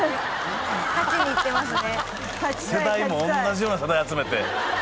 勝ちにいってますね